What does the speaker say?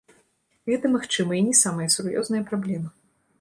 Гэта, магчыма, і не самая сур'ёзная праблема.